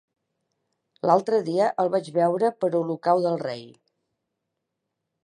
L'altre dia el vaig veure per Olocau del Rei.